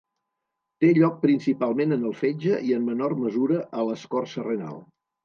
Té lloc principalment en el fetge i en menor mesura a l'escorça renal.